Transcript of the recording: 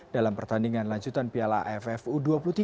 dalam pertandingan lanjutan piala ffu dua puluh tiga